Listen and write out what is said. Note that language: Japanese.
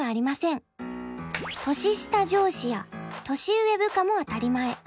年下上司や年上部下も当たり前。